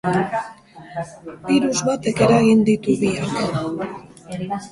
Birus batek eragiten ditu biak.